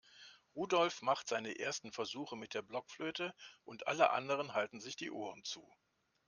Rudolf macht seine ersten Versuche mit der Blockflöte und alle anderen halten sich die Ohren zu.